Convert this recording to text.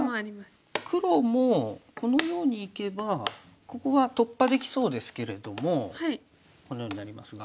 じゃあ黒もこのようにいけばここが突破できそうですけれどもこのようになりますが。